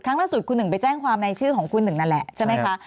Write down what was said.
ครั้งล่าสุดคุณหนึ่งไปแจ้งความในชื่อของคุณหนึ่งนั่นแหละใช่ไหมคะ